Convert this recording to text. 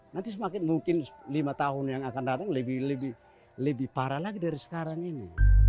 nanti semakin mungkin lima tahun yang akan datang lebih parah lagi dari sekarang ini